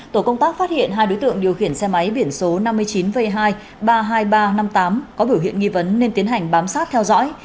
tổ công tác phát hiện hai đối tượng điều khiển xe máy biển số năm mươi chín v hai ba mươi hai nghìn ba trăm năm mươi tám có biểu hiện nghi vấn nên tiến hành bám sát theo dõi